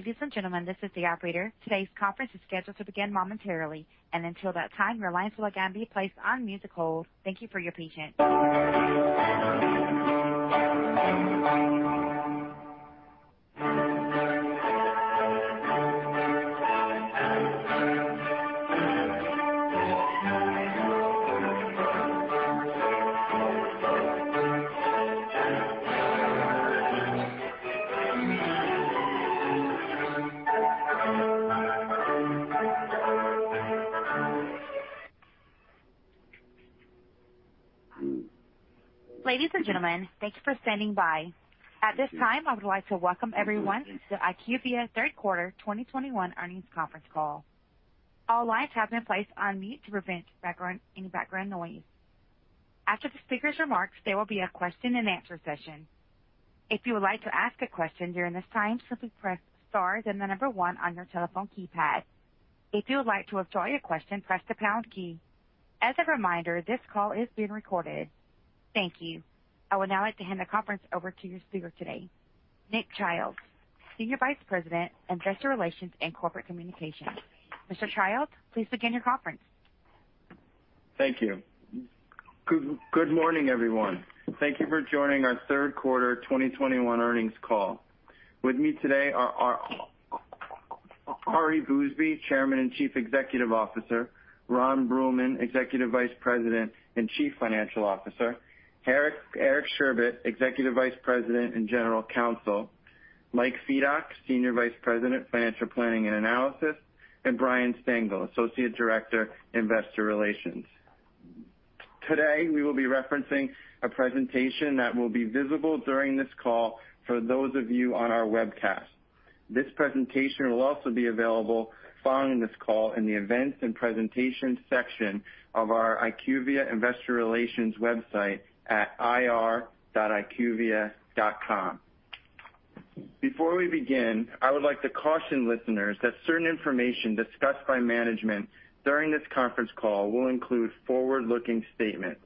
Ladies and gentlemen, thank you for standing by. At this time, I would like to welcome everyone to the IQVIA Third Quarter 2021 Earnings Conference Call. All lines have been placed on mute to prevent any background noise. After the speakers' remarks, there will be a question-and-answer session. If you would like to ask a question during this time, simply press star, then one on your telephone keypad. If you would like to withdraw your question, press the pound key. As a reminder, this call is being recorded. Thank you. I would now like to hand the conference over to your speaker today, Nick Childs, Senior Vice President, Investor Relations and Corporate Communications. Mr. Childs, please begin your conference. Thank you. Good morning, everyone. Thank you for joining our third quarter 2021 earnings call. With me today are Ari Bousbib, Chairman and Chief Executive Officer; Ron Bruehlman, Executive Vice President and Chief Financial Officer; Eric Sherbet, Executive Vice President and General Counsel; Mike Fedock, Senior Vice President, Financial Planning and Analysis; and Brian Stengel, Associate Director, Investor Relations. Today, we will be referencing a presentation that will be visible during this call for those of you on our webcast. This presentation will also be available following this call in the Events and Presentation section of our IQVIA Investor Relations website at ir.iqvia.com. Before we begin, I would like to caution listeners that certain information discussed by management during this conference call will include forward-looking statements.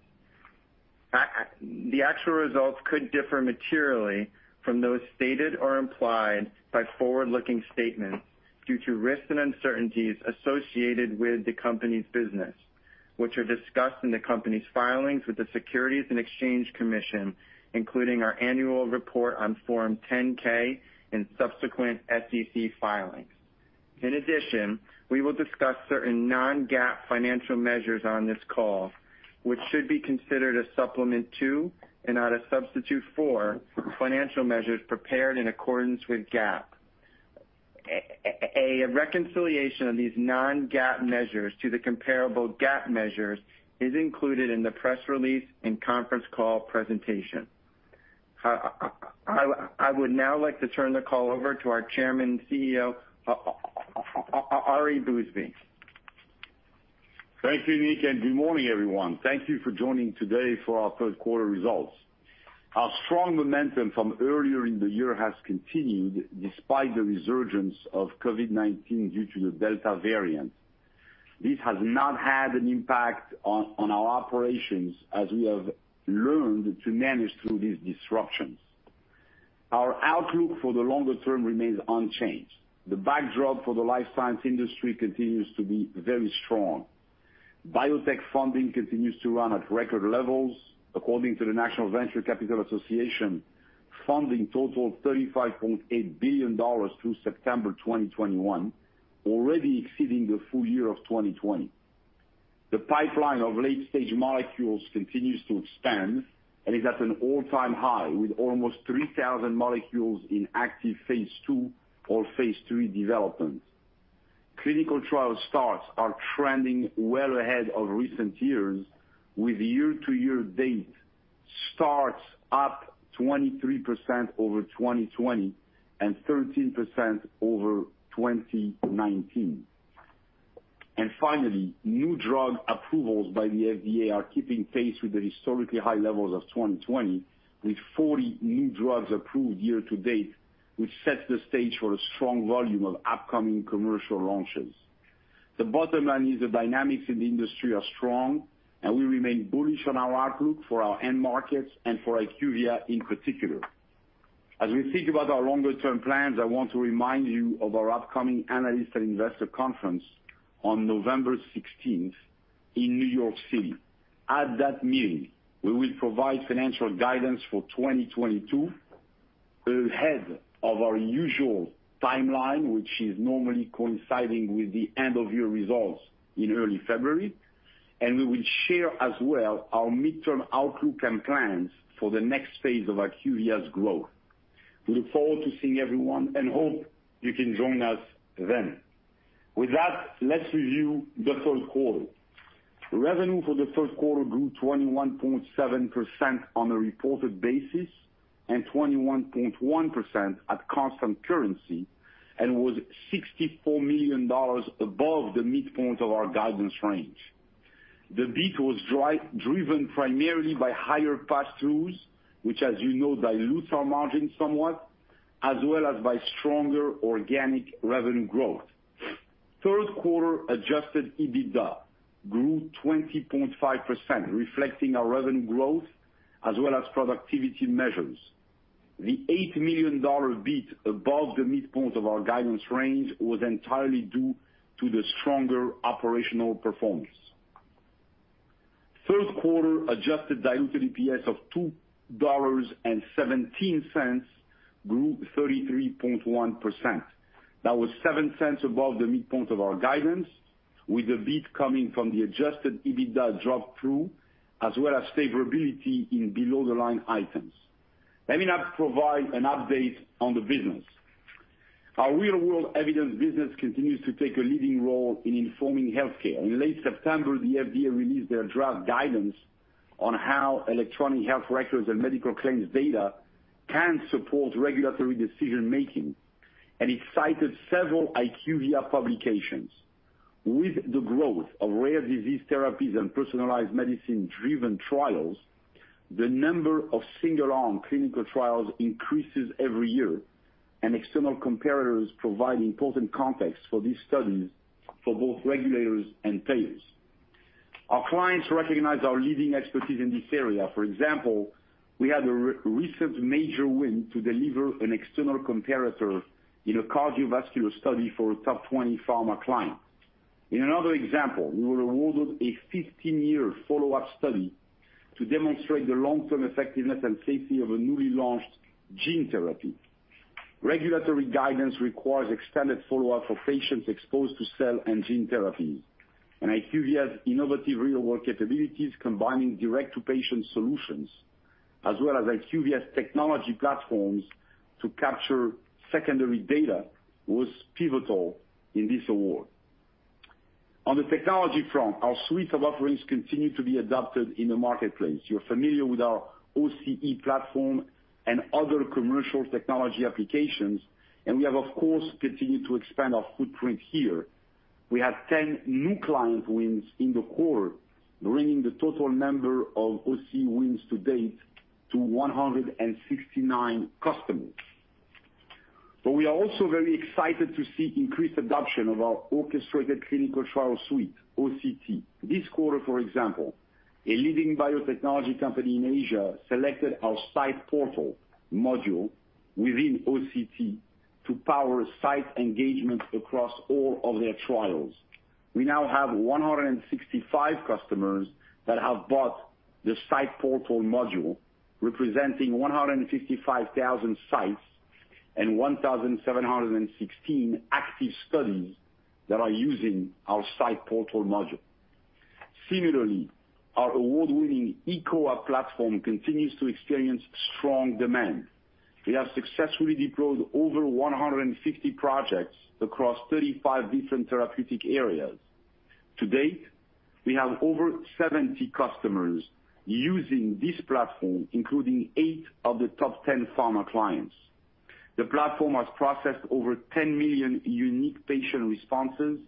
The actual results could differ materially from those stated or implied by forward-looking statements due to risks and uncertainties associated with the company's business, which are discussed in the company's filings with the Securities and Exchange Commission, including our annual report on Form 10-K and subsequent SEC filings. In addition, we will discuss certain non-GAAP financial measures on this call, which should be considered a supplement to and not a substitute for financial measures prepared in accordance with GAAP. A reconciliation of these non-GAAP measures to the comparable GAAP measures is included in the press release and conference call presentation. I would now like to turn the call over to our Chairman and CEO, Ari Bousbib. Thank you, Nick, and good morning, everyone. Thank you for joining today for our third quarter results. Our strong momentum from earlier in the year has continued despite the resurgence of COVID-19 due to the Delta variant. This has not had an impact on our operations as we have learned to manage through these disruptions. Our outlook for the longer term remains unchanged. The backdrop for the life science industry continues to be very strong. Biotech funding continues to run at record levels according to the National Venture Capital Association, funding total $35.8 billion through September 2021, already exceeding the full year of 2020. The pipeline of late-stage molecules continues to expand and is at an all-time high with almost 3,000 molecules in active phase II or phase III development. Clinical trial starts are trending well ahead of recent years with year-to-year date starts up 23% over 2020 and 13% over 2019. Finally, new drug approvals by the FDA are keeping pace with the historically high levels of 2020 with 40 new drugs approved year-to-date, which sets the stage for a strong volume of upcoming commercial launches. The bottom line is the dynamics in the industry are strong, and we remain bullish on our outlook for our end markets and for IQVIA in particular. As we think about our longer-term plans, I want to remind you of our upcoming Analyst and Investor Conference on November 16th in New York City. At that meeting, we will provide financial guidance for 2022 ahead of our usual timeline, which is normally coinciding with the end-of-year results in early February, and we will share as well our midterm outlook and plans for the next phase of IQVIA's growth. We look forward to seeing everyone and hope you can join us then. With that, let's review the third quarter. Revenue for the third quarter grew 21.7% on a reported basis and 21.1% at constant currency and was $64 million above the midpoint of our guidance range. The beat was driven primarily by higher pass-throughs, which as you know dilutes our margin somewhat, as well as by stronger organic revenue growth. Third quarter adjusted EBITDA grew 20.5%, reflecting our revenue growth as well as productivity measures. The $8 million beat above the midpoint of our guidance range was entirely due to the stronger operational performance. Third quarter Adjusted Diluted EPS of $2.17 grew 33.1%. That was $0.07 above the midpoint of our guidance, with the beat coming from the adjusted EBITDA drop through, as well as favorability in below-the-line items. Let me now provide an update on the business. Our real-world evidence business continues to take a leading role in informing healthcare. In late September, the FDA released their draft guidance on how electronic health records and medical claims data can support regulatory decision-making. It cited several IQVIA publications. With the growth of rare disease therapies and personalized medicine-driven trials, the number of single-arm clinical trials increases every year. External comparators provide important context for these studies for both regulators and payers. Our clients recognize our leading expertise in this area. For example, we had a recent major win to deliver an external comparator in a cardiovascular study for a top 20 pharma client. In another example, we were awarded a 15-year follow-up study to demonstrate the long-term effectiveness and safety of a newly launched gene therapy. Regulatory guidance requires extended follow-up for patients exposed to cell and gene therapies, and IQVIA's innovative real-world capabilities combining direct-to-patient solutions as well as IQVIA's technology platforms to capture secondary data was pivotal in this award. On the technology front, our suite of offerings continue to be adopted in the marketplace. You're familiar with our OCE platform and other commercial technology applications, and we have, of course, continued to expand our footprint here. We had 10 new client wins in the quarter, bringing the total number of OCE wins to date to 169 customers. We are also very excited to see increased adoption of our Orchestrated Clinical Trials suite, OCT. This quarter, for example, a leading biotechnology company in Asia selected our Investigator Site Portal module within OCT to power site engagements across all of their trials. We now have 165 customers that have bought the Investigator Site Portal module, representing 155,000 sites and 1,716 active studies that are using our Investigator Site Portal module. Similarly, our award-winning eCOA platform continues to experience strong demand. We have successfully deployed over 150 projects across 35 different therapeutic areas. To date, we have over 70 customers using this platform, including eight of the top 10 pharma clients. The platform has processed over 10 million unique patient responses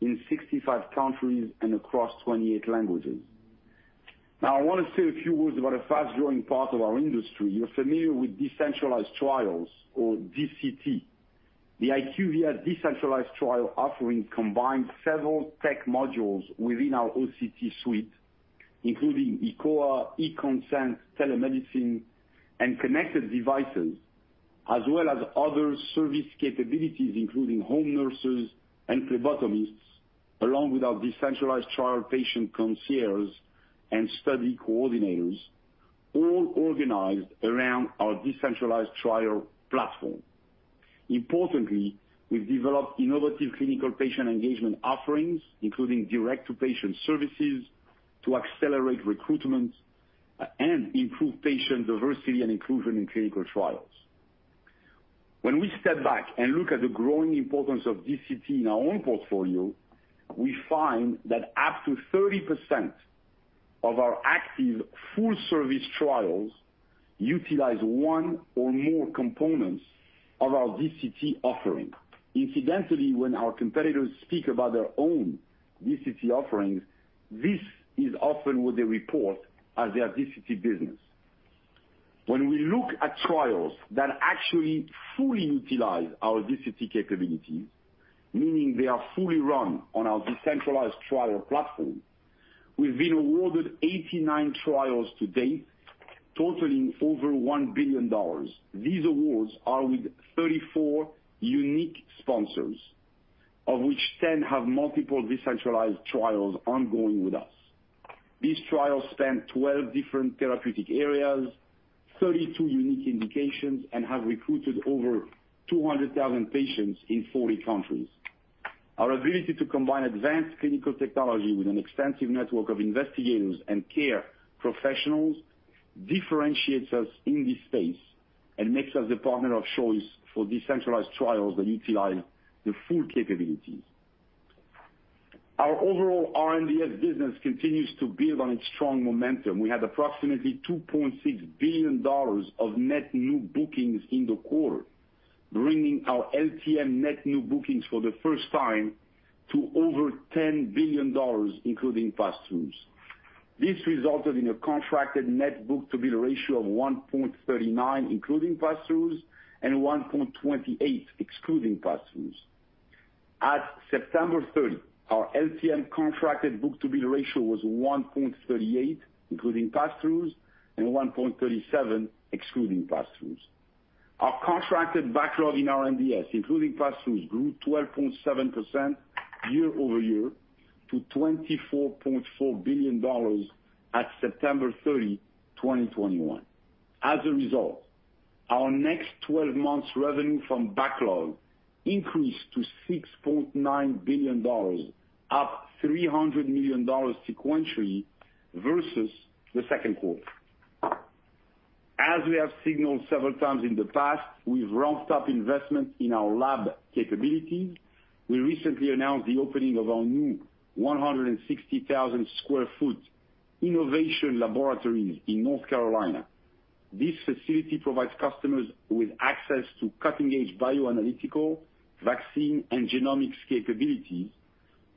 in 65 countries and across 28 languages. I want to say a few words about a fast-growing part of our industry. You're familiar with decentralized trials or DCT. The IQVIA decentralized trial offering combines several tech modules within our OCT suite, including eCOA, eConsent, telemedicine, and connected devices, as well as other service capabilities, including home nurses and phlebotomists, along with our decentralized trial patient concierge and study coordinators, all organized around our decentralized trial platform. Importantly, we've developed innovative clinical patient engagement offerings, including direct-to-patient services, to accelerate recruitment and improve patient diversity and inclusion in clinical trials. When we step back and look at the growing importance of DCT in our own portfolio, we find that up to 30% of our active full-service trials utilize one or more components of our DCT offering. Incidentally, when our competitors speak about their own DCT offerings, this is often what they report as their DCT business. When we look at trials that actually fully utilize our DCT capabilities, meaning they are fully run on our decentralized trial platform, we've been awarded 89 trials to date, totaling over $1 billion. These awards are with 34 unique sponsors, of which 10 have multiple decentralized trials ongoing with us. These trials span 12 different therapeutic areas, 32 unique indications, and have recruited over 200,000 patients in 40 countries. Our ability to combine advanced clinical technology with an extensive network of investigators and care professionals differentiates us in this space and makes us the partner of choice for decentralized trials that utilize the full capabilities. Our overall R&DS business continues to build on its strong momentum. We had approximately $2.6 billion of net new bookings in the quarter, bringing our LTM net new bookings for the first time to over $10 billion, including pass-throughs. This resulted in a contracted net book-to-bill ratio of 1.39, including pass-throughs, and 1.28 excluding pass-throughs. At September 30, our LTM contracted book-to-bill ratio was 1.38, including pass-throughs, and 1.37 excluding pass-throughs. Our contracted backlog in R&DS, including pass-throughs, grew 12.7% year-over-year to $24.4 billion at September 30, 2021. As a result, our next 12 months revenue from backlog increased to $6.9 billion, up $300 million sequentially versus the second quarter. As we have signaled several times in the past, we've ramped up investment in our lab capabilities. We recently announced the opening of our new 160,000 sq ft innovation laboratory in North Carolina. This facility provides customers with access to cutting-edge bioanalytical, vaccine, and genomics capabilities,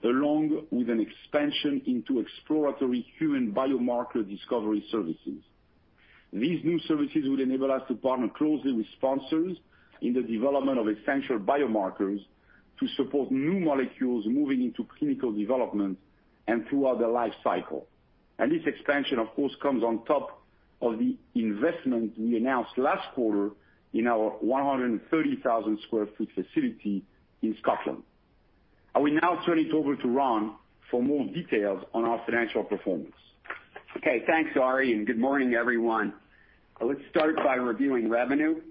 along with an expansion into exploratory human biomarker discovery services. These new services will enable us to partner closely with sponsors in the development of essential biomarkers to support new molecules moving into clinical development and throughout their lifecycle. This expansion, of course, comes on top of the investment we announced last quarter in our 130,000 sq ft facility in Scotland. I will now turn it over to Ron for more details on our financial performance. Okay, thanks, Ari. Good morning, everyone. Let's start by reviewing revenue.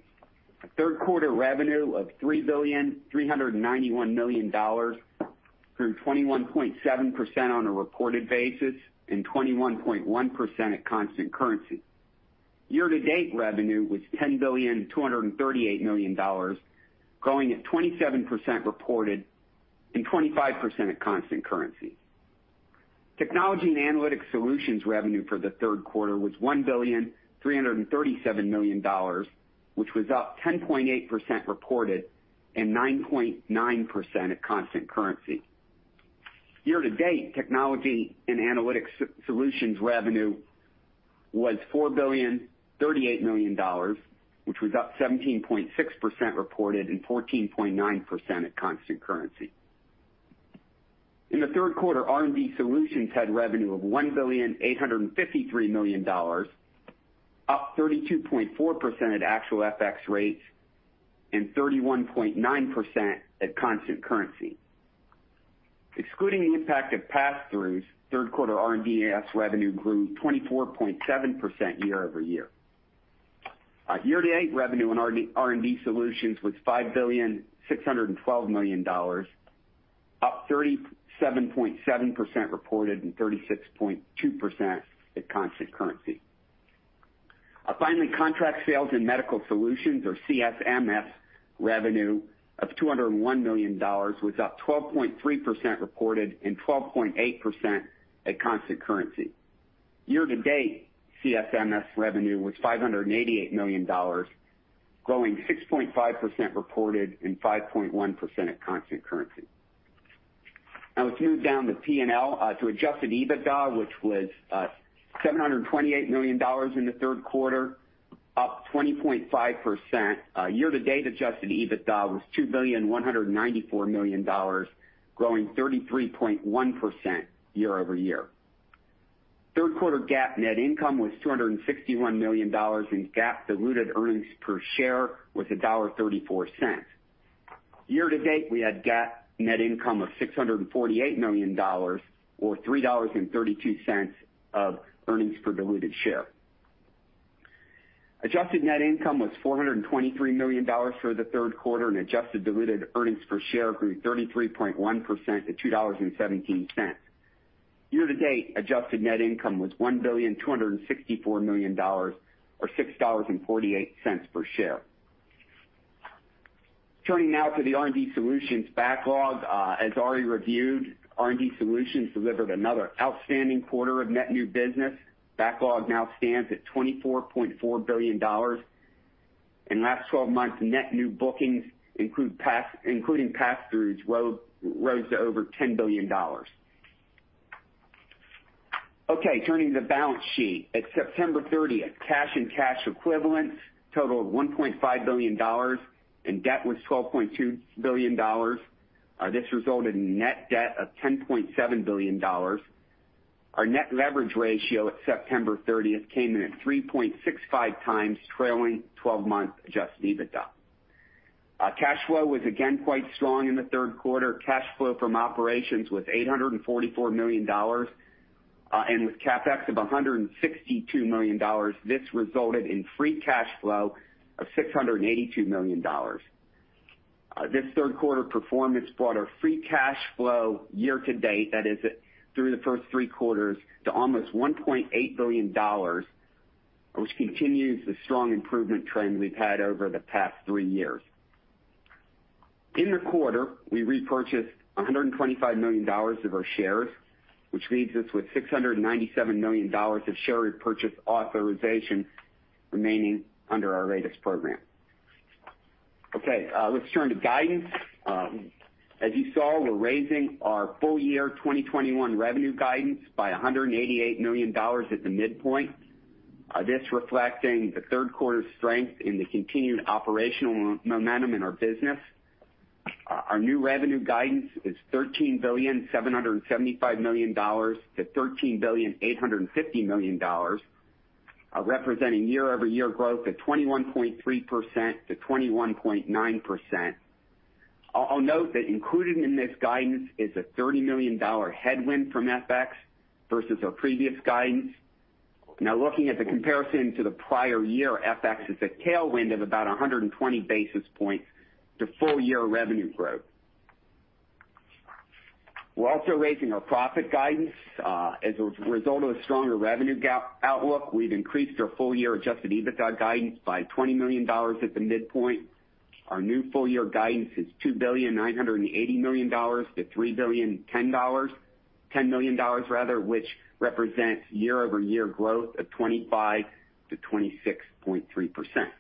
Third quarter revenue of $3,391,000,000 grew 21.7% on a reported basis and 21.1% at constant currency. Year-to-date revenue was $10,238,000,000, growing at 27% reported and 25% at constant currency. Technology & Analytics Solutions revenue for the third quarter was $1,337,000,000, which was up 10.8% reported and 9.9% at constant currency. Year-to-date, Technology & Analytics Solutions revenue was $4,038,000,000, which was up 17.6% reported and 14.9% at constant currency. In the third quarter, R&D Solutions had revenue of $1,853,000,000, up 32.4% at actual FX rates and 31.9% at constant currency. Excluding the impact of pass-throughs, third quarter R&DS revenue grew 24.7% year-over-year. Our year-to-date revenue in R&D Solutions was $5,612,000,000, up 37.7% reported and 36.2% at constant currency. Contract Sales and Medical Solutions, or CSMS, revenue of $201 million was up 12.3% reported and 12.8% at constant currency. Year to date, CSMS revenue was $588 million, growing 6.5% reported and 5.1% at constant currency. Let's move down to P&L to adjusted EBITDA, which was $728 million in the third quarter, up 20.5%. Year to date, adjusted EBITDA was $2,194,000,000, growing 33.1% year-over-year. Third quarter GAAP net income was $261 million, and GAAP diluted earnings per share was $1.34. Year to date, we had GAAP net income of $648 million or $3.32 of earnings per diluted share. Adjusted net income was $423 million for the third quarter, and adjusted diluted earnings per share grew 33.1% to $2.17. Year to date, adjusted net income was $1,264,000,000 or $6.48 per share. Turning to the R&D Solutions backlog. As Ari Bousbib reviewed, R&D Solutions delivered another outstanding quarter of net new business. Backlog now stands at $24.4 billion. In the last 12 months, net new bookings, including pass-throughs, rose to over $10 billion. Turning to the balance sheet. At September 30th, cash and cash equivalents totaled $1.5 billion, and debt was $12.2 billion. This resulted in net debt of $10.7 billion. Our net leverage ratio at September 30th came in at 3.65 times trailing 12-month adjusted EBITDA. Cash flow was again quite strong in the third quarter. Cash flow from operations was $844 million. With CapEx of $162 million, this resulted in free cash flow of $682 million. This third quarter performance brought our free cash flow year to date, that is through the first three quarters, to almost $1.8 billion, which continues the strong improvement trend we've had over the past three years. In the quarter, we repurchased $125 million of our shares, which leaves us with $697 million of share repurchase authorization remaining under our latest program. Okay, let's turn to guidance. As you saw, we're raising our full year 2021 revenue guidance by $188 million at the midpoint, this reflecting the third quarter strength and the continued operational momentum in our business. Our new revenue guidance is $13,775,000,000-$13,850,000,000, representing year-over-year growth of 21.3%-21.9%. I'll note that included in this guidance is a $30 million headwind from FX versus our previous guidance. Now, looking at the comparison to the prior year, FX is a tailwind of about 120 basis points to full-year revenue growth. We're also raising our profit guidance. As a result of a stronger revenue outlook, we've increased our full year adjusted EBITDA guidance by $20 million at the midpoint. Our new full year guidance is $2,980,000,000 to $3,010,000,000 rather, which represents year-over-year growth of 25%-26.3%.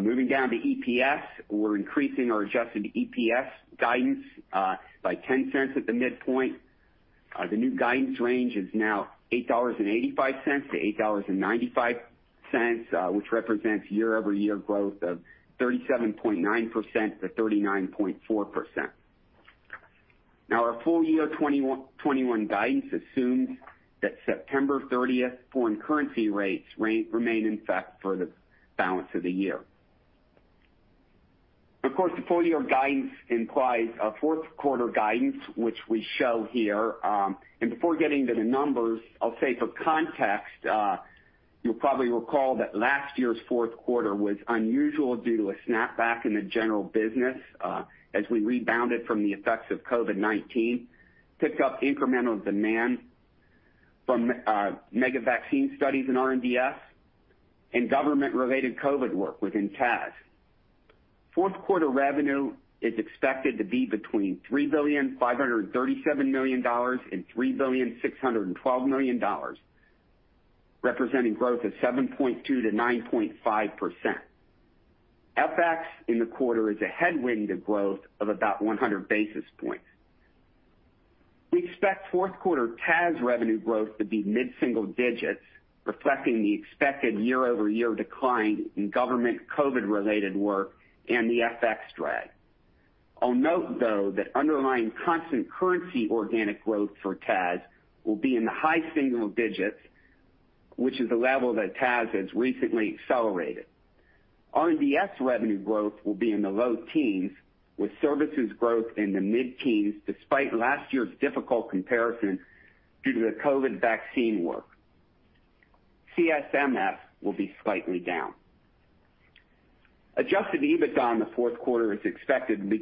Moving down to EPS, we're increasing our adjusted EPS guidance by $0.10 at the midpoint. The new guidance range is now $8.85-$8.95, which represents year-over-year growth of 37.9%-39.4%. Our full year 2021 guidance assumes that September 30th foreign currency rates remain in effect for the balance of the year. Of course, the full-year guidance implies a fourth quarter guidance, which we show here. Before getting to the numbers, I'll say for context, you'll probably recall that last year's fourth quarter was unusual due to a snapback in the general business, as we rebounded from the effects of COVID-19, picked up incremental demand from mega vaccine studies in R&DS and government-related COVID work within TAS. Fourth quarter revenue is expected to be between $3.537 billion and $3.612 billion, representing growth of 7.2%-9.5%. FX in the quarter is a headwind to growth of about 100 basis points. We expect fourth quarter TAS revenue growth to be mid-single digits, reflecting the expected year-over-year decline in government COVID-related work and the FX drag. I'll note, though, that underlying constant currency organic growth for TAS will be in the high single digits, which is a level that TAS has recently accelerated. R&DS revenue growth will be in the low teens, with services growth in the mid-teens, despite last year's difficult comparison due to the COVID vaccine work. CSMS will be slightly down. Adjusted EBITDA in the fourth quarter is expected to be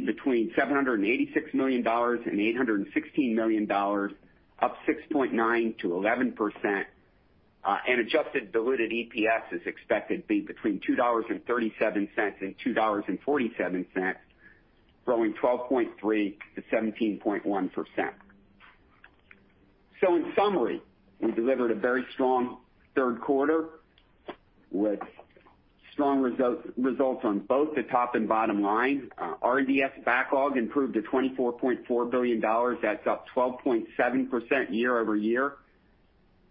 between $786 million and $816 million, up 6.9%-11%. Adjusted diluted EPS is expected to be between $2.37 and $2.47, growing 12.3%-17.1%. In summary, we delivered a very strong third quarter with strong results on both the top and bottom line. R&DS backlog improved to $24.4 billion. That's up 12.7% year-over-year.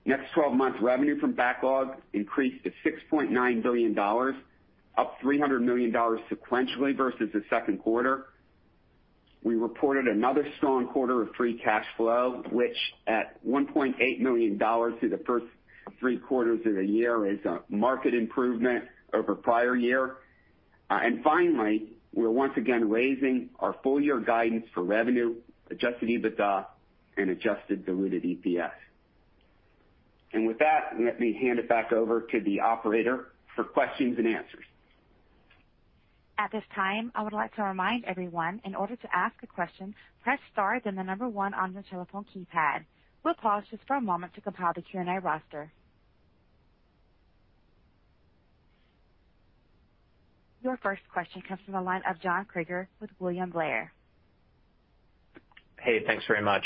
Next 12 months revenue from backlog increased to $6.9 billion, up $300 million sequentially versus the second quarter. We reported another strong quarter of free cash flow, which at $1.8 million through the first three quarters of the year is a market improvement over prior year. Finally, we're once again raising our full year guidance for revenue, adjusted EBITDA and adjusted diluted EPS. With that, let me hand it back over to the operator for questions and answers. At this time I would like to remind everyone in order to ask a question press star then one in your telephone keypad. We'll pause just for a moment to compile the Q&A roster. Your first question comes from the line of John Kreger with William Blair. Hey, thanks very much.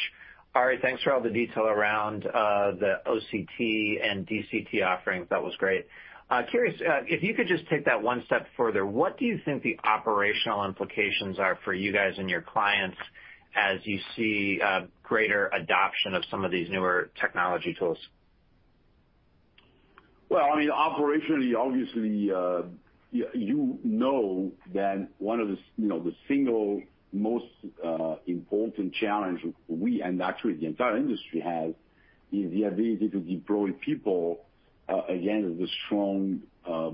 Ari, thanks for all the detail around the OCT and DCT offerings. That was great. Curious, if you could just take that one step further. What do you think the operational implications are for you guys and your clients as you see greater adoption of some of these newer technology tools? Well, operationally, obviously, you know that one of the single most important challenge we and actually the entire industry has is the ability to deploy people, again, the strong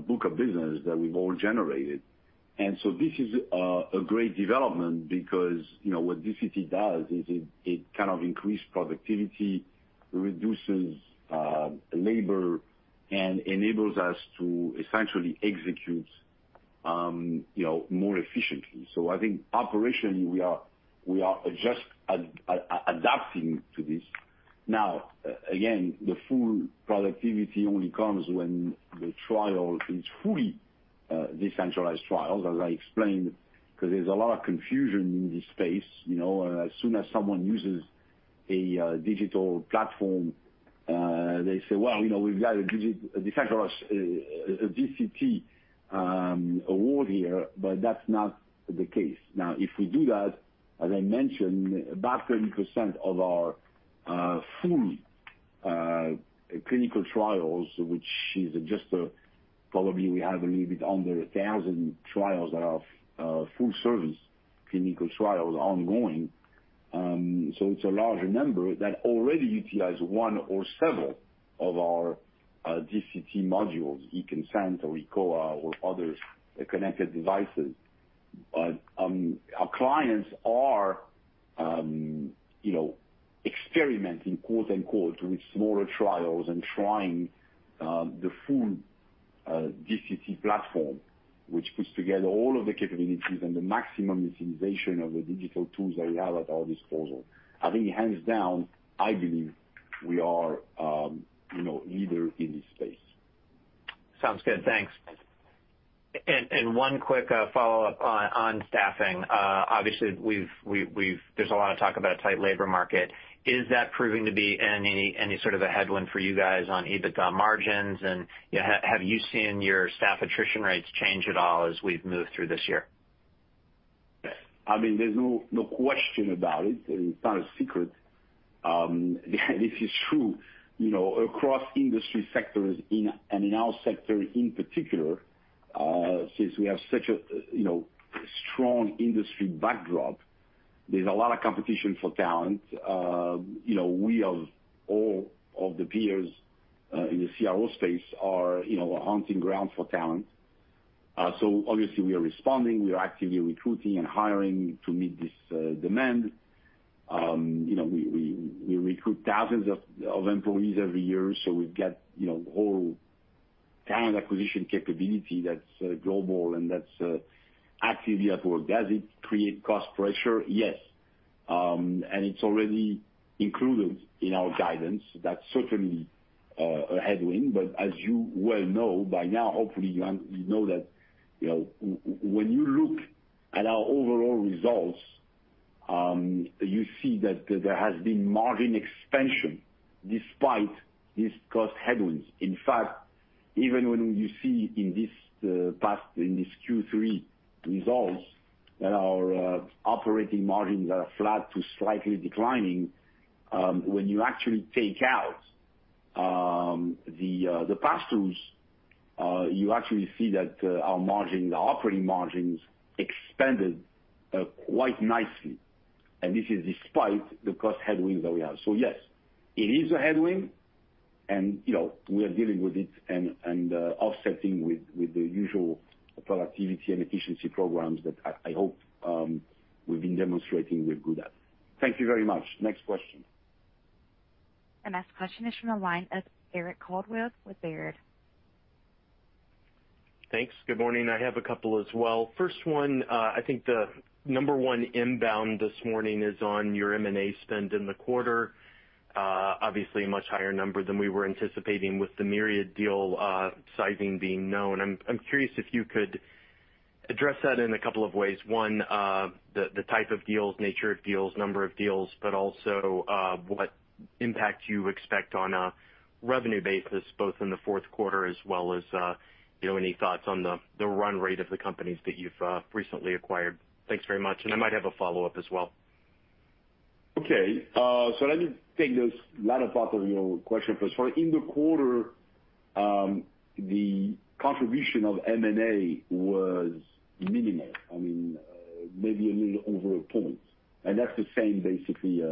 book of business that we've all generated. This is a great development because what DCT does is it kind of increase productivity, reduces labor, and enables us to essentially execute more efficiently. I think operationally, we are just adapting to this. Now, again, the full productivity only comes when the trial is fully decentralized trials, as I explained, because there's a lot of confusion in this space. As soon as someone uses a digital platform. They say, well, we've got a DCT award here, but that's not the case. If we do that, as I mentioned, about 20% of our full clinical trials, which is just probably we have a little bit under 1,000 trials that are of full service clinical trials ongoing. It's a larger number that already utilize one or several of our DCT modules, eConsent or eCOA or other connected devices. Our clients are experimenting, quote-unquote, with smaller trials and trying the full DCT platform, which puts together all of the capabilities and the maximum utilization of the digital tools that we have at our disposal. I think hands down, I believe we are leader in this space. Sounds good. Thanks. One quick follow-up on staffing. Obviously, there's a lot of talk about a tight labor market. Is that proving to be any sort of a headwind for you guys on EBITDA margins? Have you seen your staff attrition rates change at all as we've moved through this year? I mean, there's no question about it. It's not a secret. This is true. Across industry sectors and in our sector in particular, since we have such a strong industry backdrop, there's a lot of competition for talent. We of all of the peers, in the CRO space are a hunting ground for talent. Obviously we are responding, we are actively recruiting and hiring to meet this demand. We recruit thousands of employees every year, so we've got whole talent acquisition capability that's global and that's actively at work. Does it create cost pressure? Yes. It's already included in our guidance. That's certainly a headwind. As you well know by now, hopefully you know that when you look at our overall results, you see that there has been margin expansion despite these cost headwinds. In fact, even when you see in this Q3 results that our operating margins are flat to slightly declining, when you actually take out the pass-throughs, you actually see that our operating margins expanded quite nicely. This is despite the cost headwinds that we have. Yes, it is a headwind and we are dealing with it and offsetting with the usual productivity and efficiency programs that I hope we've been demonstrating we're good at. Thank you very much. Next question. The next question is from the line of Eric Coldwell with Baird. Thanks. Good morning. I have a couple as well. First one, I think the number one inbound this morning is on your M&A spend in the quarter. Obviously a much higher number than we were anticipating with the Myriad deal sizing being known. I'm curious if you could address that in a couple of ways. One, the type of deals, nature of deals, number of deals, but also what impact you expect on a revenue basis, both in the fourth quarter as well as any thoughts on the run rate of the companies that you've recently acquired. Thanks very much. I might have a follow-up as well. Okay. Let me take the latter part of your question first. In the quarter, the contribution of M&A was minimal. I mean, maybe a little over a point. That's the same basically,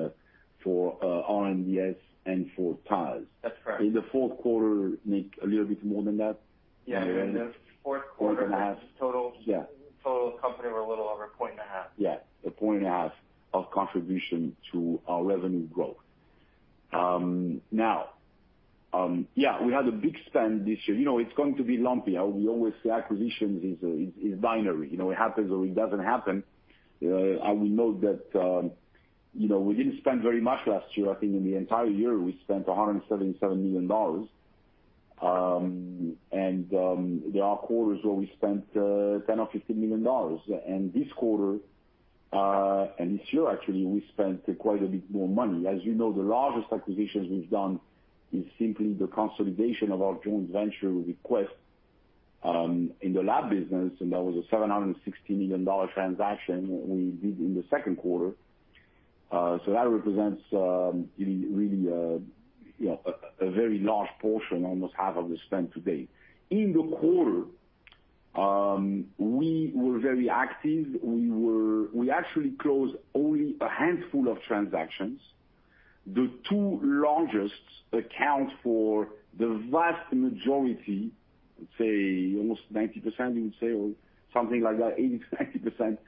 for R&DS and for TAS. That's correct. In the fourth quarter, Nick, a little bit more than that. Yeah. In the fourth quarter- Fourth quarter total- Yeah total company, we're a little over 1.5%. Yeah. A point and a half of contribution to our revenue growth. Yeah, we had a big spend this year. It's going to be lumpy. We always say acquisition is binary. It happens or it doesn't happen. I will note that we didn't spend very much last year. I think in the entire year, we spent $177 million. There are quarters where we spent $10 million or $15 million. This quarter, and this year actually, we spent quite a bit more money. As you know, the largest acquisitions we've done is simply the consolidation of our joint venture with Quest in the lab business, and that was a $760 million transaction we did in the second quarter. That represents really a very large portion, almost half of the spend to date. In the quarter, we were very active. We actually closed only a handful of transactions. The two largest account for the vast majority, let's say almost 90%, you would say, or something like that, 80%, 90%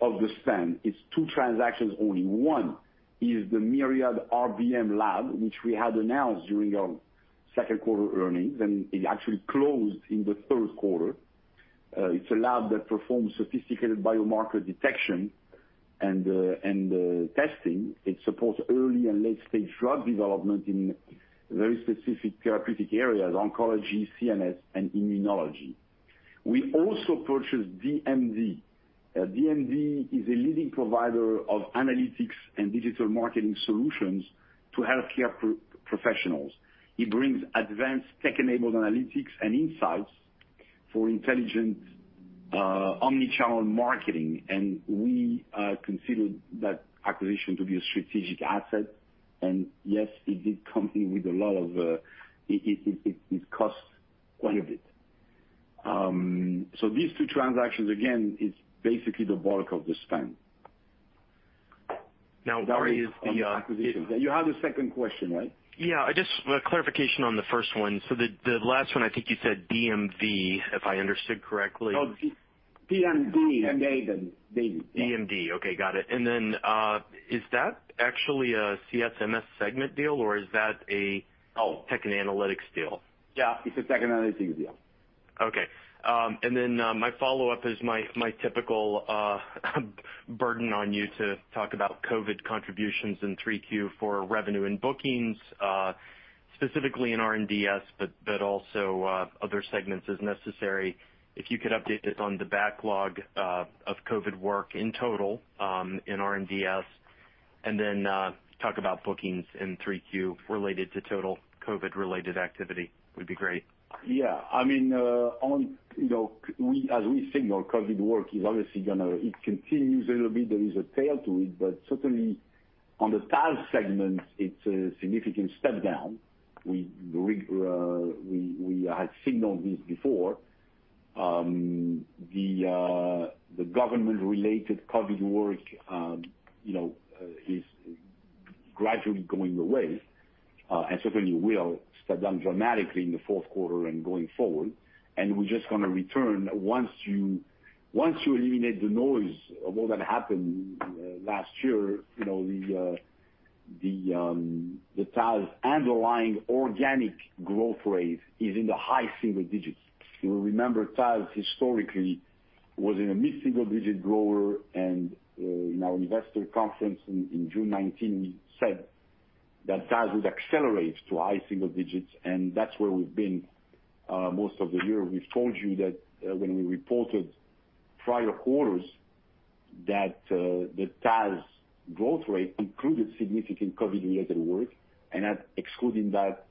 of the spend. It's two transactions only. One is the Myriad RBM lab, which we had announced during our second quarter earnings, and it actually closed in the third quarter. It's a lab that performs sophisticated biomarker detection and testing. It supports early and late-stage drug development in very specific therapeutic areas, oncology, CNS, and immunology. We also purchased DMD. DMD is a leading provider of analytics and digital marketing solutions to healthcare professionals. It brings advanced tech-enabled analytics and insights for intelligent omnichannel marketing. We consider that acquisition to be a strategic asset. Yes, it costs quite a bit. These two transactions, again, is basically the bulk of the spend. Now, where is the- On the acquisitions. You have a second question, right? Yeah. Just a clarification on the first one. The last one, I think you said DMD, if I understood correctly? No. DMD. DMD. Okay. Got it. Then, is that actually a CSMS segment deal, or is that a- Oh Tech and Analytics deal? Yeah, it's a tech and analytics deal. Okay. My follow-up is my typical burden on you to talk about COVID contributions in 3Q for revenue and bookings, specifically in R&DS, but also other segments as necessary. If you could update us on the backlog of COVID work in total, in R&DS, and then talk about bookings in 3Q related to total COVID-related activity would be great. Yeah. As we signal, COVID work is obviously it continues a little bit. There is a tail to it, certainly on the TAS segment, it's a significant step down. We had signaled this before. The government-related COVID work is gradually going away, certainly will step down dramatically in the fourth quarter and going forward, we're just going to return. Once you eliminate the noise of all that happened last year, the TAS underlying organic growth rate is in the high single digits. You will remember TAS historically was a mid-single digit grower, in our investor conference in June 2019, we said that TAS would accelerate to high single digits, that's where we've been most of the year. We've told you that when we reported prior quarters, that the TAS growth rate included significant COVID-related work, and excluding that,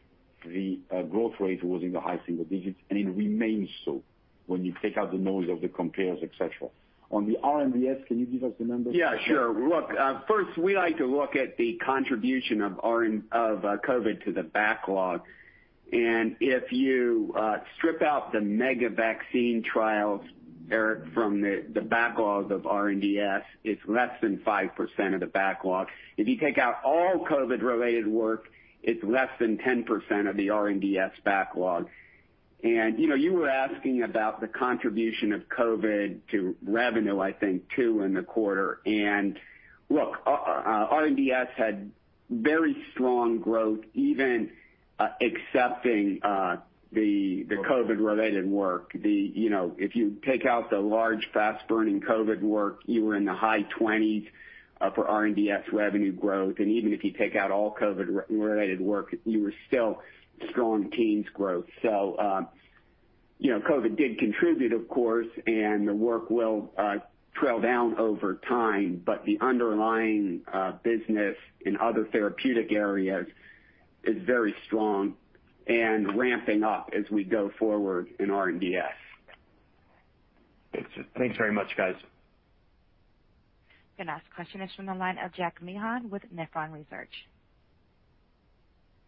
the growth rate was in the high single digits, and it remains so when you take out the noise of the compares, et cetera. On the R&DS, can you give us the numbers? Yeah, sure. Look, first, we like to look at the contribution of COVID to the backlog. If you strip out the mega vaccine trials, Eric, from the backlog of R&DS, it's less than 5% of the backlog. If you take out all COVID-related work, it's less than 10% of the R&DS backlog. You were asking about the contribution of COVID to revenue, I think, too, in the quarter. Look, R&DS had very strong growth. Even accepting the COVID-related work. If you take out the large fast-burning COVID work, you were in the high 20s for R&DS revenue growth, and even if you take out all COVID-related work, you were still strong teens growth. COVID did contribute, of course, and the work will trail down over time, but the underlying business in other therapeutic areas is very strong and ramping up as we go forward in R&DS. Thanks very much, guys. The next question is from the line of Jack Meehan with Nephron Research.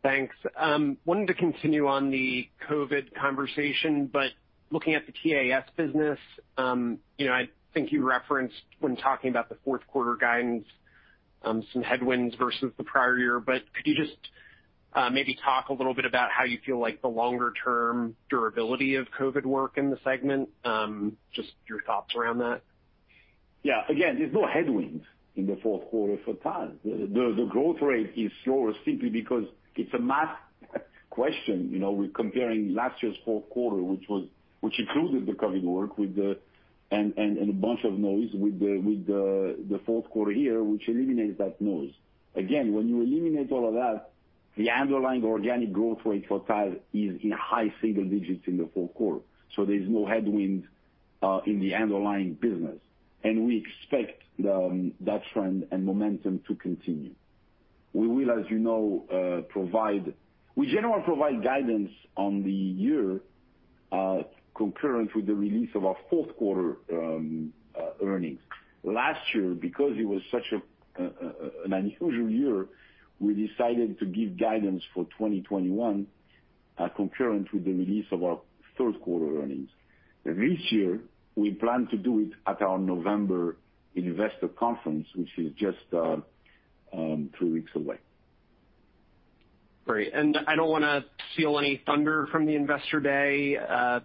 Thanks. I wanted to continue on the COVID conversation, but looking at the TAS business, I think you referenced when talking about the fourth quarter guidance, some headwinds versus the prior year. Could you just maybe talk a little bit about how you feel like the longer-term durability of COVID work in the segment? Just your thoughts around that. Yeah. There's no headwinds in the fourth quarter for TAS. The growth rate is slower simply because it's a math question. We're comparing last year's fourth quarter, which included the COVID-19 work and a bunch of noise, with the fourth quarter here, which eliminates that noise. When you eliminate all of that, the underlying organic growth rate for TAS is in high single digits in the fourth quarter. There's no headwinds in the underlying business. We expect that trend and momentum to continue. We will, as you know, generally provide guidance on the year concurrent with the release of our fourth quarter earnings. Last year, because it was such an unusual year, we decided to give guidance for 2021 concurrent with the release of our third-quarter earnings. This year, we plan to do it at our November Investor Conference, which is just three weeks away. Great. I don't want to steal any thunder from the Investor Day a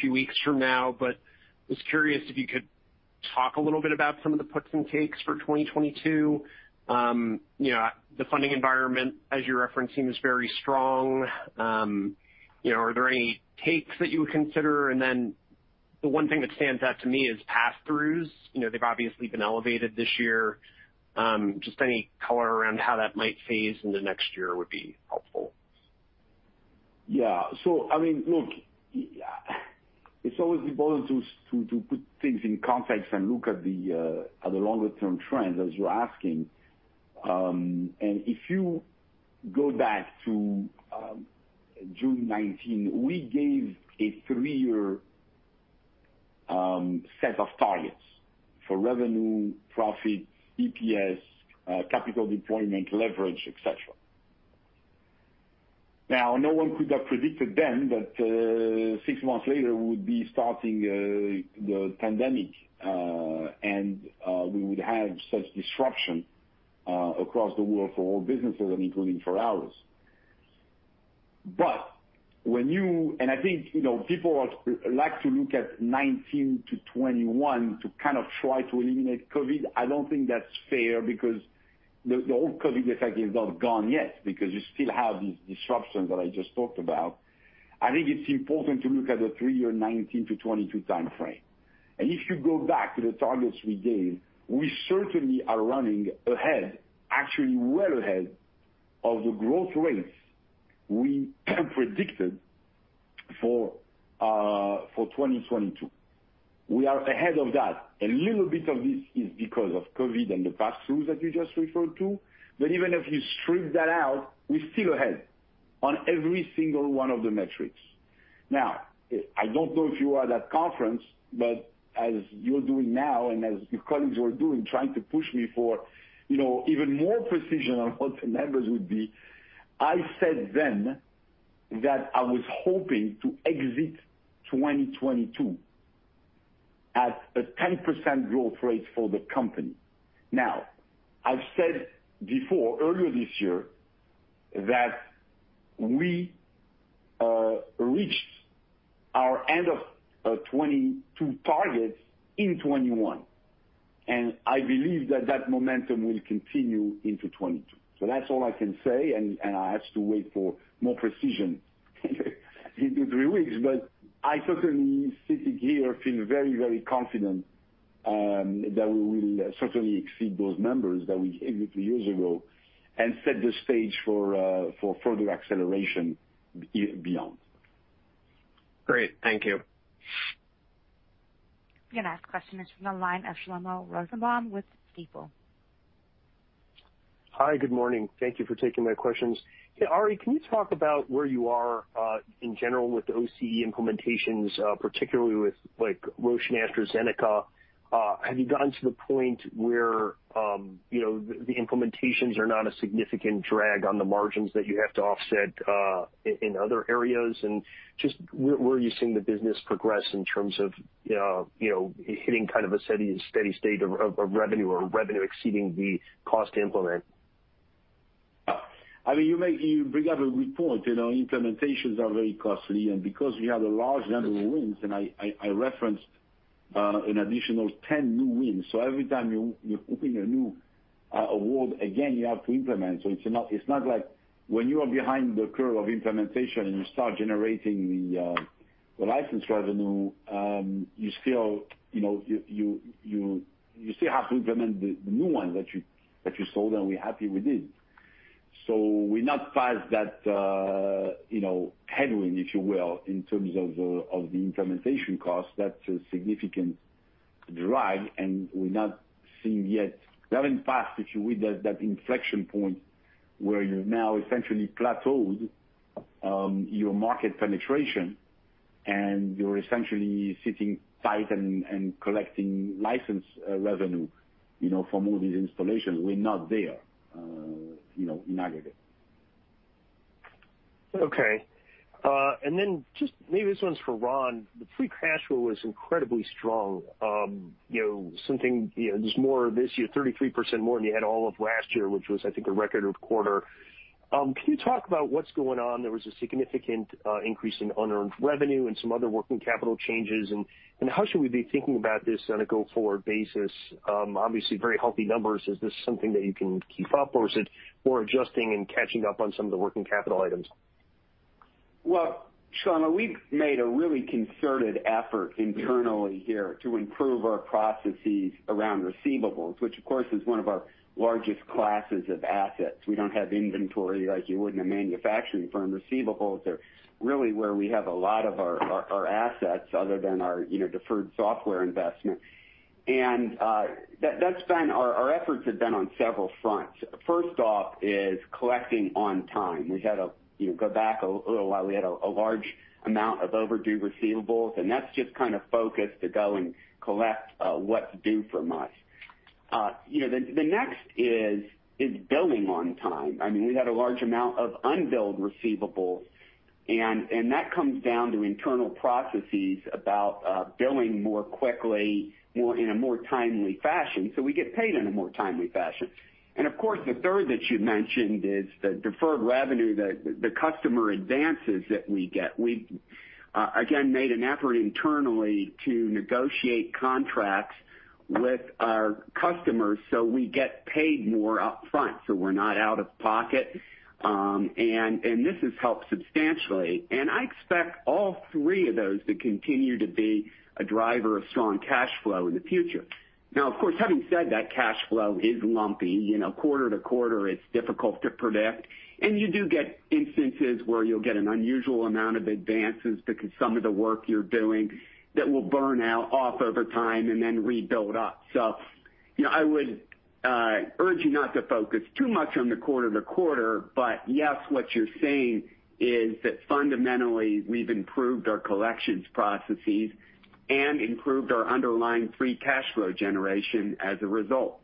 few weeks from now, but I was curious if you could talk a little bit about some of the puts and takes for 2022. The funding environment, as you're referencing, is very strong. Are there any takes that you would consider? The one thing that stands out to me is passthroughs. They've obviously been elevated this year. Just any color around how that might phase into next year would be helpful. Yeah. Look, it's always important to put things in context and look at the longer-term trends as you're asking. If you go back to June 2019, we gave a three-year set of targets for revenue, profit, EPS, capital deployment, leverage, et cetera. Now, no one could have predicted then that six months later we would be starting the pandemic, and we would have such disruption across the world for all businesses and including for ours. I think, people like to look at 2019-2021 to try to eliminate COVID. I don't think that's fair because the whole COVID effect is not gone yet, because you still have these disruptions that I just talked about. I think it's important to look at the three-year 2019-2022 timeframe. If you go back to the targets we gave, we certainly are running ahead, actually well ahead, of the growth rates we predicted for 2022. We are ahead of that. A little bit of this is because of COVID and the pass-throughs that you just referred to. Even if you strip that out, we're still ahead on every single one of the metrics. I don't know if you were at that conference, but as you're doing now, and as your colleagues were doing, trying to push me for even more precision on what the numbers would be. I said then that I was hoping to exit 2022 at a 10% growth rate for the company. I've said before, earlier this year, that we reached our end of 2022 targets in 2021, and I believe that that momentum will continue into 2022. That's all I can say, and I'll have to wait for more precision in three weeks. I certainly, sitting here, feel very confident that we will certainly exceed those numbers that we gave you three years ago and set the stage for further acceleration beyond. Great. Thank you. The next question is from the line of Shlomo Rosenbaum with Stifel. Hi, good morning. Thank you for taking my questions. Hey, Ari, can you talk about where you are, in general, with the OCE implementations, particularly with Roche and AstraZeneca? Have you gotten to the point where the implementations are not a significant drag on the margins that you have to offset in other areas? Just where are you seeing the business progress in terms of hitting a steady state of revenue or revenue exceeding the cost to implement? You bring up a good point. Implementations are very costly. Because we have a large number of wins, I referenced an additional 10 new wins. Every time you open a new award, again, you have to implement. It's not like when you are behind the curve of implementation and you start generating the license revenue, you still have to implement the new ones that you sold and we're happy with it. We're not past that headwind, if you will, in terms of the implementation cost. That's a significant drag. We're not seeing yet. We haven't passed, if you will, that inflection point where you've now essentially plateaued your market penetration and you're essentially sitting tight and collecting license revenue from all these installations. We're not there in aggregate. Okay. Just maybe this one's for Ron. The free cash flow was incredibly strong. There's more this year, 33% more than you had all of last year, which was, I think, a record quarter. Can you talk about what's going on? There was a significant increase in unearned revenue and some other working capital changes. How should we be thinking about this on a go-forward basis? Obviously very healthy numbers. Is this something that you can keep up, or is it more adjusting and catching up on some of the working capital items? Well, Shlomo, we've made a really concerted effort internally here to improve our processes around receivables, which of course is one of our largest classes of assets. We don't have inventory like you would in a manufacturing firm. Receivables are really where we have a lot of our assets other than our deferred software investment. Our efforts have been on several fronts. First off is collecting on time. If you go back a little while, we had a large amount of overdue receivables, and that's just focused to go and collect what's due from us. The next is billing on time. We had a large amount of unbilled receivables, and that comes down to internal processes about billing more quickly, in a more timely fashion, so we get paid in a more timely fashion. Of course, the third that you mentioned is the deferred revenue, the customer advances that we get. We've again made an effort internally to negotiate contracts with our customers so we get paid more upfront, so we're not out of pocket. This has helped substantially, and I expect all three of those to continue to be a driver of strong cash flow in the future. Of course, having said that, cash flow is lumpy. Quarter-to-quarter, it's difficult to predict. You do get instances where you'll get an unusual amount of advances because some of the work you're doing that will burn off over time and then rebuild up. I would urge you not to focus too much on the quarter-to-quarter. Yes, what you're saying is that fundamentally, we've improved our collections processes and improved our underlying free cash flow generation as a result.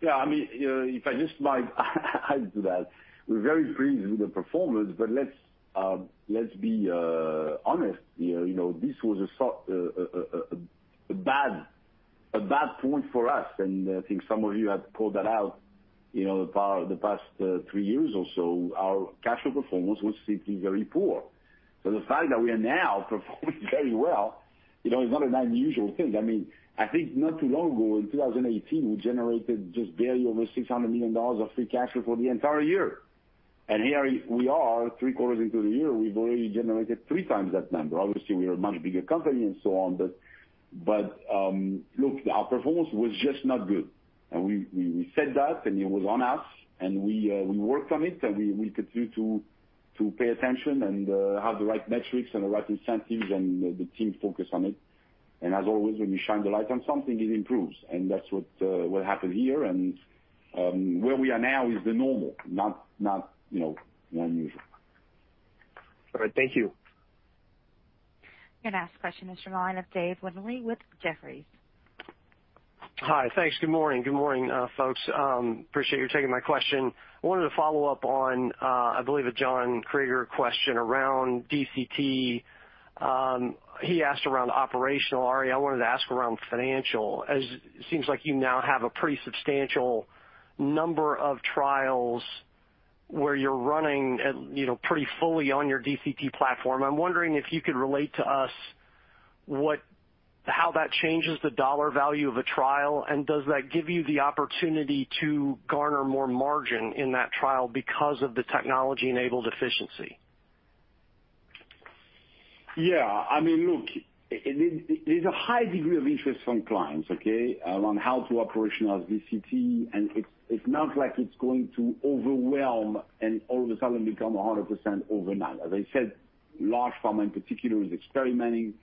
Yeah. If I just might, I'll do that. We're very pleased with the performance, but let's be honest, this was a bad point for us, and I think some of you have called that out. For the past three years or so, our cash flow performance was simply very poor. The fact that we are now performing very well, is not an unusual thing. I think not too long ago, in 2018, we generated just barely over $600 million of free cash flow for the entire year. Here we are, three quarters into the year, we've already generated three times that number. Obviously, we are a much bigger company and so on. Look, our performance was just not good, and we said that, and it was on us, and we worked on it, and we continue to pay attention and have the right metrics and the right incentives, and the team focused on it. As always, when you shine the light on something, it improves. That's what happened here. Where we are now is the normal, not unusual. All right. Thank you. Your next question is from the line of David Windley with Jefferies. Hi. Thanks. Good morning, folks. Appreciate you taking my question. I wanted to follow up on, I believe, a John Kreger question around DCT. He asked around operational, Ari, I wanted to ask around financial, as it seems like you now have a pretty substantial number of trials where you're running pretty fully on your DCT platform. I'm wondering if you could relate to us how that changes the dollar value of a trial, and does that give you the opportunity to garner more margin in that trial because of the technology-enabled efficiency? Yeah. Look, there's a high degree of interest from clients, okay? Around how to operationalize DCT, it's not like it's going to overwhelm and all of a sudden become 100% overnight. As I said, large pharma in particular is experimenting.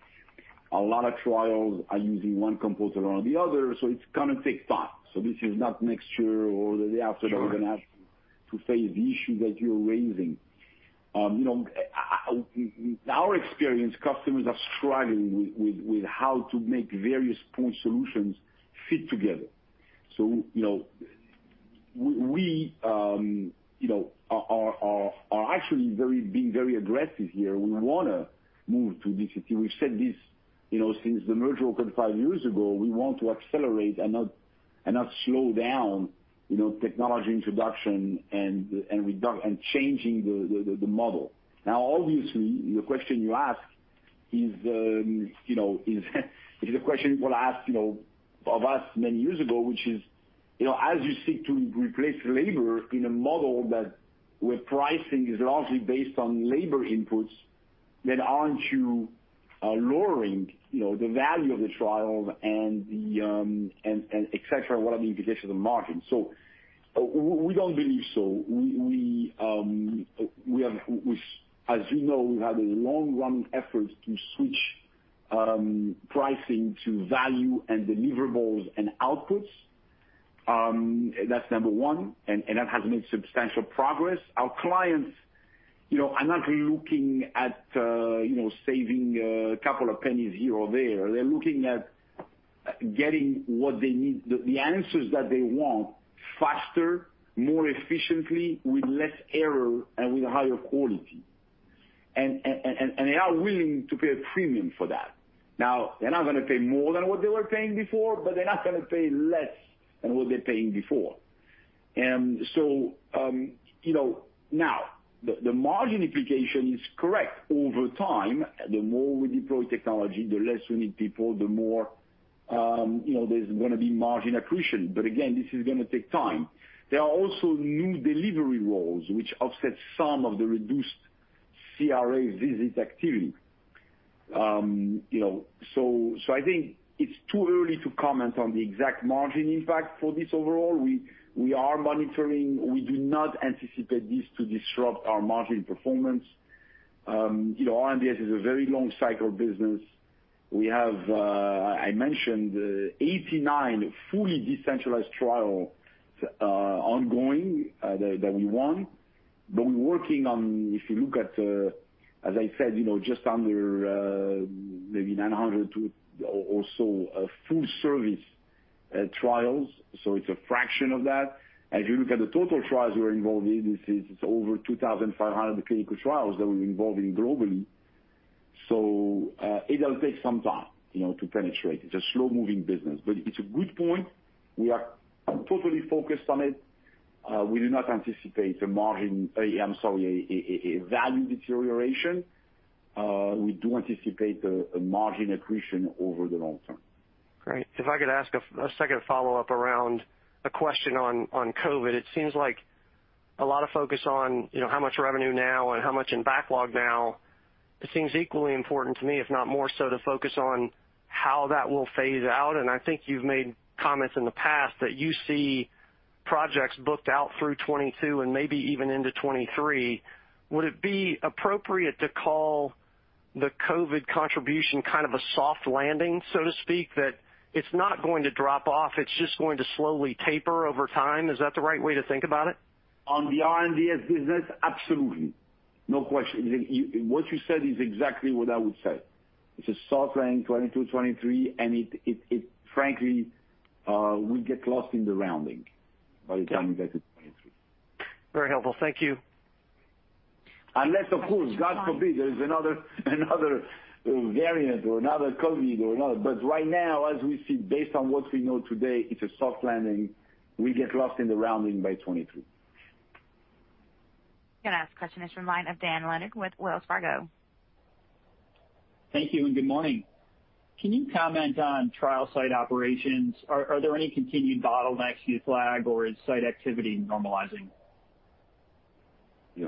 A lot of trials are using one component or the other, it's going to take time. This is not next year or the day after that we're going to have to face the issue that you're raising. In our experience, customers are struggling with how to make various point solutions fit together. We are actually being very aggressive here. We want to move to DCT. We've said this since the merger occurred five years ago. We want to accelerate and not slow down technology introduction and changing the model. Now, obviously, the question you ask is a question people asked of us many years ago, which is, as you seek to replace labor in a model where pricing is largely based on labor inputs, then aren't you lowering the value of the trial and et cetera? What are the implications of the margin? We don't believe so. As you know, we've had a long-running effort to switch pricing to value and deliverables and outputs. That's number one, and that has made substantial progress. Our clients are not looking at saving a couple of pennies here or there. They're looking at getting what they need, the answers that they want faster, more efficiently, with less error, and with a higher quality. They are willing to pay a premium for that. They're not going to pay more than what they were paying before, but they're not going to pay less than what they were paying before. The margin implication is correct. Over time, the more we deploy technology, the less we need people, the more there's going to be margin accretion. Again, this is going to take time. There are also new delivery roles which offset some of the reduced CRA visit activity. I think it's too early to comment on the exact margin impact for this overall. We are monitoring. We do not anticipate this to disrupt our margin performance. R&D is a very long cycle business. We have, I mentioned, 89 fully decentralized trials ongoing that we won. We're working on, if you look at, as I said, just under maybe 900 or so full-service trials. It's a fraction of that. If you look at the total trials we are involved in, this is over 2,500 clinical trials that we're involved in globally. It will take some time to penetrate. It's a slow-moving business, but it's a good point. We are totally focused on it. We do not anticipate a value deterioration. We do anticipate a margin accretion over the long term. Great. If I could ask a second follow-up around a question on COVID. It seems like a lot of focus on how much revenue now and how much in backlog now. It seems equally important to me, if not more so, to focus on how that will phase out. I think you've made comments in the past that you see projects booked out through 2022 and maybe even into 2023. Would it be appropriate to call? The COVID contribution kind of a soft landing, so to speak, that it's not going to drop off, it's just going to slowly taper over time. Is that the right way to think about it? On the R&DS business, absolutely. No question. What you said is exactly what I would say. It's a soft landing, 2022, 2023, and it frankly will get lost in the rounding by the time we get to 2023. Very helpful. Thank you. Unless, of course, God forbid, there is another variant or another COVID or another. Right now, as we see, based on what we know today, it's a soft landing. We get lost in the rounding by 2023. Going to ask question is from line of Dan Leonard with Wells Fargo. Thank you. Good morning. Can you comment on trial site operations? Are there any continued bottlenecks you flag, or is site activity normalizing? Yeah.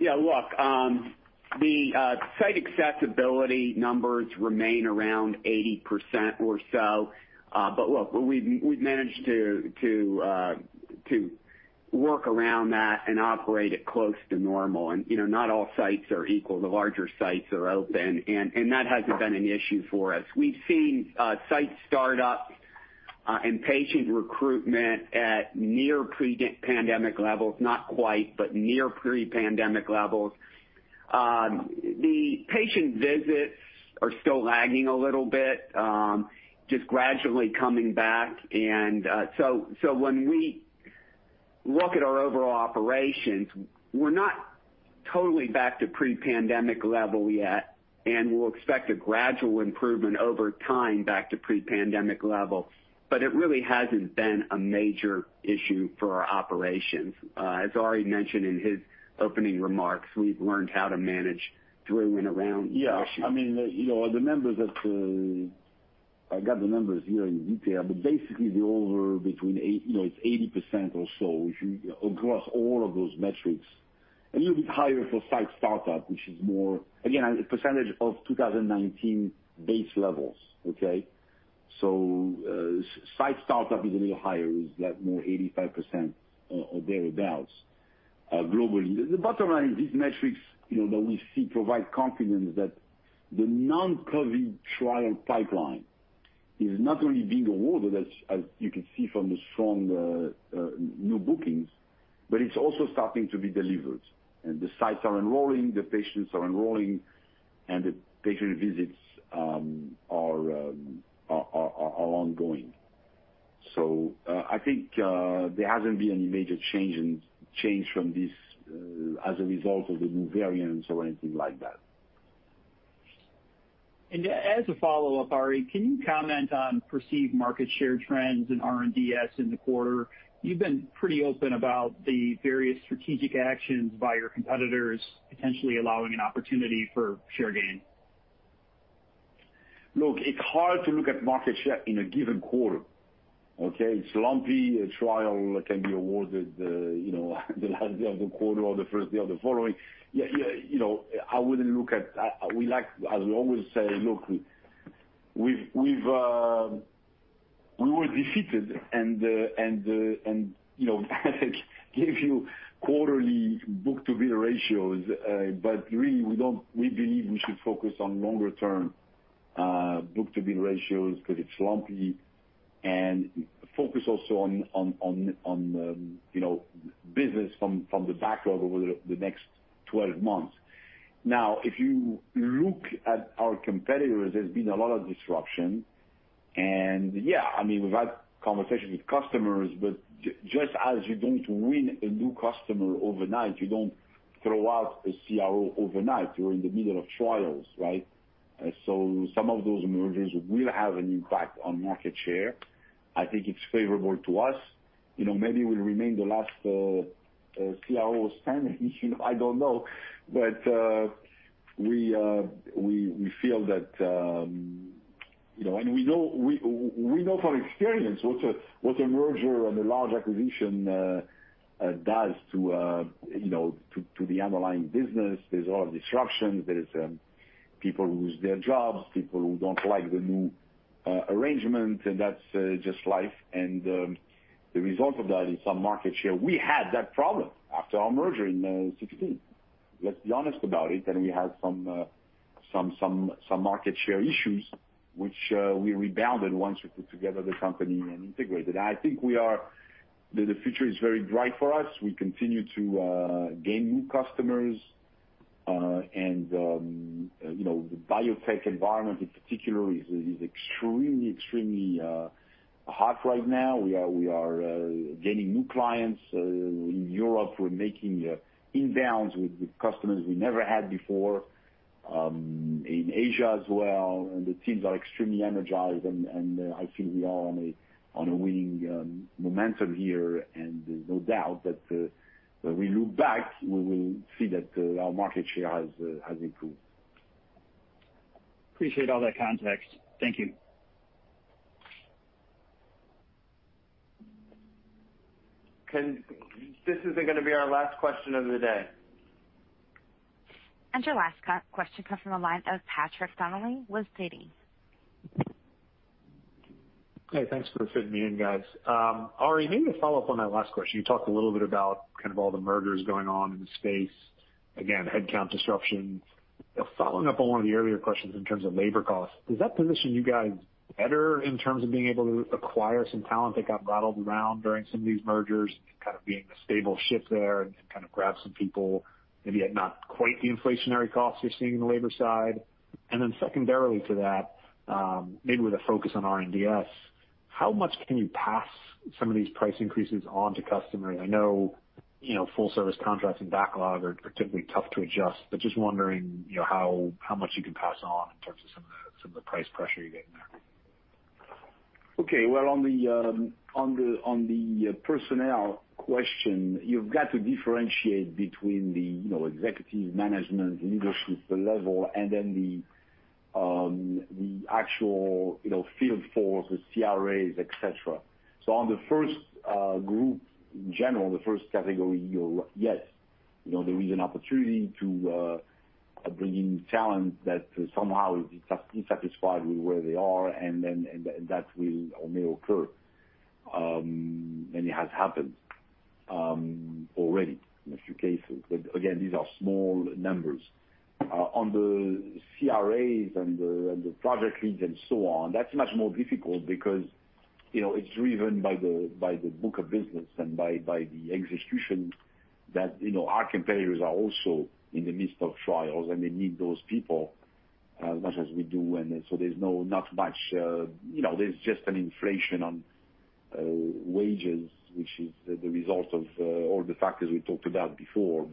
Ron? Look. The site acceptability numbers remain around 80% or so. Look, we've managed to work around that and operate at close to normal. Not all sites are equal. The larger sites are open, and that hasn't been an issue for us. We've seen site startups and patient recruitment at near pre-pandemic levels. Not quite, but near pre-pandemic levels. The patient visits are still lagging a little bit, just gradually coming back. When we look at our overall operations, we're not totally back to pre-pandemic level yet, and we'll expect a gradual improvement over time back to pre-pandemic level. It really hasn't been a major issue for our operations. As Ari mentioned in his opening remarks, we've learned how to manage through and around the issue. Yeah. I got the numbers here in detail, but basically they're over between 80% or so across all of those metrics. A little bit higher for site startup, which is more, again, a percentage of 2019 base levels. Okay? Site startup is a little higher, is more 85% or thereabouts globally. The bottom line is these metrics that we see provide confidence that the non-COVID trial pipeline is not only being awarded, as you can see from the strong new bookings, but it's also starting to be delivered. The sites are enrolling, the patients are enrolling, and the patient visits are ongoing. I think there hasn't been any major change from this as a result of the new variants or anything like that. As a follow-up, Ari, can you comment on perceived market share trends in R&DS in the quarter? You've been pretty open about the various strategic actions by your competitors, potentially allowing an opportunity for share gain. Look, it's hard to look at market share in a given quarter. Okay? It's lumpy. A trial can be awarded the last day of the quarter or the first day of the following. I would always say, look, we were defeated and give you quarterly book-to-bill ratios. Really, we believe we should focus on longer-term book-to-bill ratios, because it's lumpy, and focus also on business from the backlog over the next 12 months. Now, if you look at our competitors, there's been a lot of disruption. Yeah, we've had conversations with customers. Just as you don't win a new customer overnight, you don't throw out a CRO overnight. You're in the middle of trials, right? Some of those mergers will have an impact on market share. I think it's favorable to us. Maybe we'll remain the last CRO standing. I don't know. We know from experience what a merger and a large acquisition does to the underlying business. There's a lot of disruption. There is people who lose their jobs, people who don't like the new arrangement, and that's just life. The result of that is some market share. We had that problem after our merger in 2016. Let's be honest about it. We had some market share issues, which we rebounded once we put together the company and integrated. I think the future is very bright for us. We continue to gain new customers. The biotech environment in particular is extremely hot right now. We are gaining new clients in Europe. We're making inbounds with customers we never had before. In Asia as well. The teams are extremely energized, and I feel we are on a winning momentum here. There's no doubt that when we look back, we will see that our market share has improved. Appreciate all that context. Thank you. This is going to be our last question of the day. Your last question comes from the line of Patrick Donnelly with Citi. Hey, thanks for fitting me in, guys. Ari Bousbib, maybe a follow-up on that last question. You talked a little bit about all the mergers going on in the space. Again, headcount disruption. Following up on one of the earlier questions in terms of labor costs, does that position you guys better in terms of being able to acquire some talent that got rattled around during some of these mergers and being the stable ship there and grab some people, maybe at not quite the inflationary costs you're seeing on the labor side? Then secondarily to that, maybe with a focus on R&DS, how much can you pass some of these price increases on to customers? I know full service contracts and backlog are particularly tough to adjust, but just wondering how much you can pass on in terms of some of the price pressure you're getting there. Well, on the personnel question, you've got to differentiate between the executive management leadership level and then the actual field force, the CRAs, et cetera. On the first group in general, the first category, yes. There is an opportunity to bring in talent that somehow is dissatisfied with where they are, that will or may occur. It has happened already in a few cases. Again, these are small numbers. On the CRAs and the project leads and so on, that's much more difficult because it's driven by the book of business and by the execution that our competitors are also in the midst of trials, and they need those people as much as we do. There's just an inflation on wages, which is the result of all the factors we talked about before.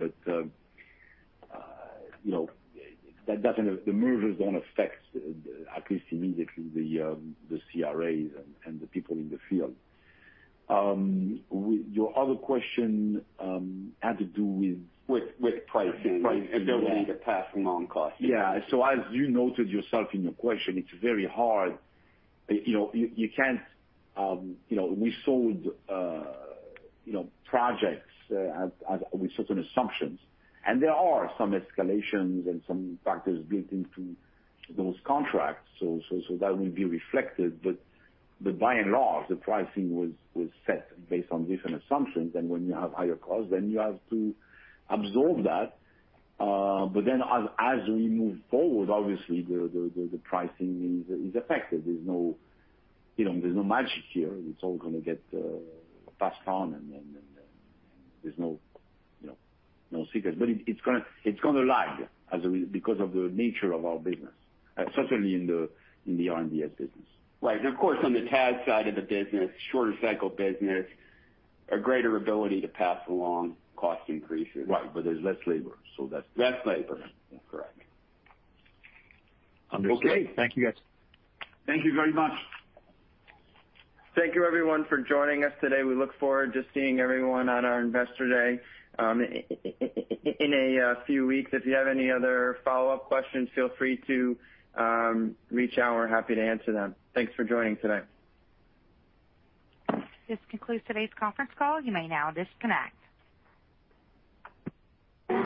The mergers don't affect, at least immediately, the CRAs and the people in the field. With your other question, had to do with With pricing- With pricing, yeah. ability to pass along costs. As you noted yourself in your question, it's very hard. We sold projects with certain assumptions, and there are some escalations and some factors built into those contracts. That will be reflected. By and large, the pricing was set based on different assumptions. When you have higher costs, then you have to absorb that. As we move forward, obviously, the pricing is affected. There's no magic here. It's all going to get passed on and there's no secrets. It's going to lag, because of the nature of our business, certainly in the R&DS business. Right. Of course, on the TAS side of the business, shorter cycle business, a greater ability to pass along cost increases. Right. There's less labor. Less labor. Correct. Okay. Thank you, guys. Thank you very much. Thank you everyone for joining us today. We look forward to seeing everyone on our Investor Day in a few weeks. If you have any other follow-up questions, feel free to reach out. We're happy to answer them. Thanks for joining today. This concludes today's conference call. You may now disconnect.